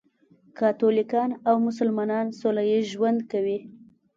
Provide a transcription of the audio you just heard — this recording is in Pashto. کاتولیکان او مسلمانان سولهییز ژوند کوي.